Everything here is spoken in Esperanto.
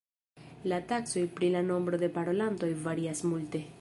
La taksoj pri la nombro de parolantoj varias multe.